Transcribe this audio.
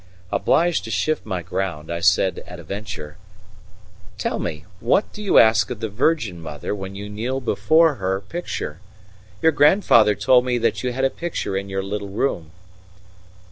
Obliged to shift my ground, I said at a venture: "Tell me, what do you ask of the Virgin Mother when you kneel before her picture? Your grandfather told me that you had a picture in your little room."